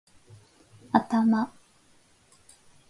頭